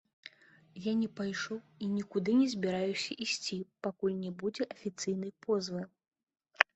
Я не пайшоў і нікуды не збіраюся ісці, пакуль не будзе афіцыйнай позвы.